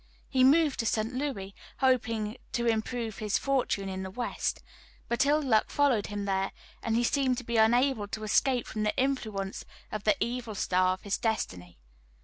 He moved to St. Louis, hoping to improve his fortune in the West; but ill luck followed him there, and he seemed to be unable to escape from the influence of the evil star of his destiny.